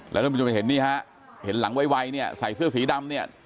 แล้วเราจะไปเห็นนี่ฮะเห็นหลังไวใส่เสื้อสีดำเนี่ย